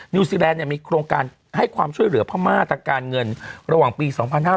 นิวซีแลนด์มีโครงการให้ความช่วยเหลือพม่าทางการเงินระหว่างปี๒๕๕๙